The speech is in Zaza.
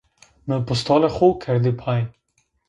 Mı postalê xo kerdi pay.